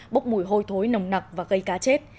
bốc mùi hôi thối nồng nặc và gây cá chết